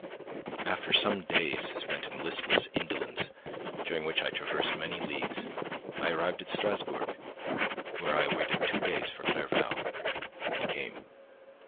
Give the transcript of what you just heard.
After some days spent in listless indolence, during which I traversed many leagues, I arrived at Strasburgh, where I waited two days for Clerval. He came.